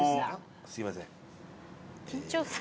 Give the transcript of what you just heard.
すいません。